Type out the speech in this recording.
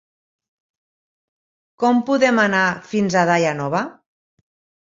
Com podem anar fins a Daia Nova?